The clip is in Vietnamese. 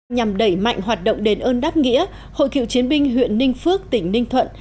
nhằm đẩy mạnh hoạt động đền ơn đáp nghĩa hội cựu chiến binh huyện ninh phước tỉnh ninh thuận